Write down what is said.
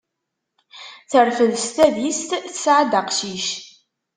Terfed s tadist, tesɛa-d aqcic.